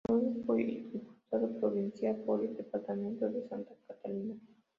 Luego fue diputado provincial por el Departamento de Santa Catalina.